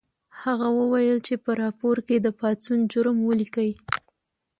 هغه وویل چې په راپور کې د پاڅون جرم ولیکئ